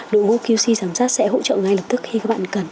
đội ngũ qc giám sát sẽ hỗ trợ ngay lập tức khi các bạn cần